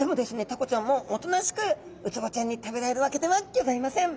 タコちゃんもおとなしくウツボちゃんに食べられるわけではギョざいません！